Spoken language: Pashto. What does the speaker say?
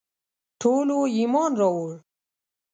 ټولو ایمان راووړ.